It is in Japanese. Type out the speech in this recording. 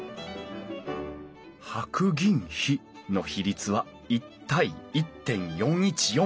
白銀比の比率は１対１．４１４。